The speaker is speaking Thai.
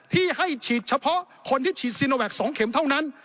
ที่ให้ฉีดเฉพาะคนที่ฉีดซีโนแวค๒เข็มเท่านั้น